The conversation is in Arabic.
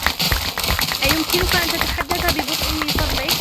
أيمكنك أن تتحدث ببطئ من فضلك ؟